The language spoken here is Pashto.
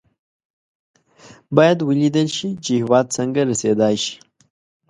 باید ولېدل شي چې هېواد څنګه رسېدای شي.